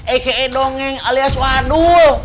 aka dongeng alias waduh